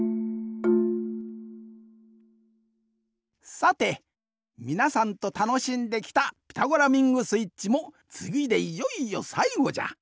さてみなさんとたのしんできた「ピタゴラミングスイッチ」もつぎでいよいよさいごじゃ。